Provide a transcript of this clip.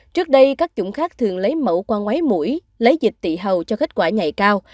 trước đây các chủng khác thường lấy mẫu qua máy mũi lấy dịch tị hầu cho kết quả nhảy cao